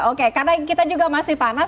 oke karena kita juga masih panas